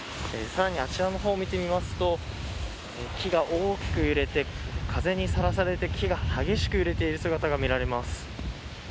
さらに、あちらを見てみますと木が大きく揺れて風にさらされて、木が激しく揺れている姿が見られます。